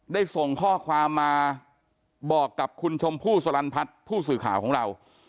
ส่งข้อความมาบอกกับคุณชมพู่สลันพัฒน์ผู้สื่อข่าวของเรา